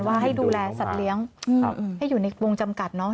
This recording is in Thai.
ให้ดูแลสัตว์เลี้ยงให้อยู่ในวงจำกัดเนาะ